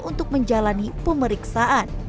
untuk menjalani pemeriksaan